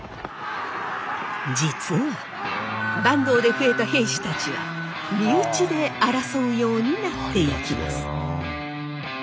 実は坂東で増えた平氏たちは身内で争うようになっていきます。